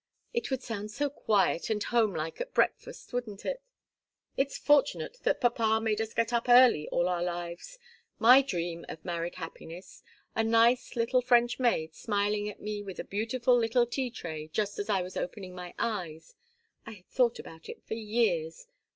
it would sound so quiet and home like at breakfast, wouldn't it? It's fortunate that papa made us get up early all our lives. My dream of married happiness a nice little French maid smiling at me with a beautiful little tea tray just as I was opening my eyes I had thought about it for years!